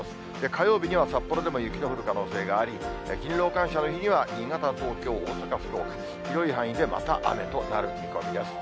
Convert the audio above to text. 火曜日には、札幌でも雪の降る可能性があり、勤労感謝の日には、新潟、東京、大阪、福岡、広い範囲でまた雨となる見込みです。